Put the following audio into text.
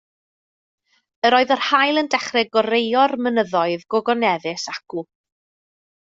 Yr oedd yr haul yn dechrau goreuro'r mynyddoedd gogoneddus acw.